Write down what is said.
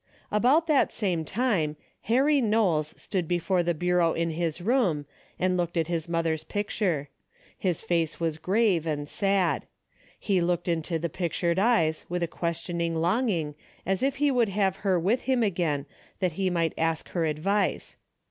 About that same time Harry Knowles stood before the bureau in his room and looked at his mother's picture. His face was grave and sad. He looked into the pictured eyes with a questioning longing as if he would have her with him again that he might ask her advice.